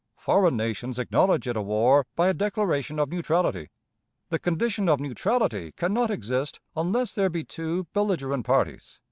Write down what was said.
Foreign nations acknowledge it a war by a declaration of neutrality. The condition of neutrality can not exist unless there be two belligerent parties."